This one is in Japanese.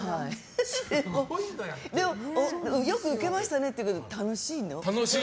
よく受けましたねっていうけど楽しいのよ。